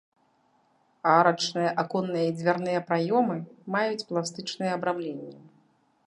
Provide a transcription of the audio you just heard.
Арачныя аконныя і дзвярныя праёмы маюць пластычныя абрамленні.